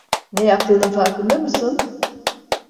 Ne yaptığının farkında mısın?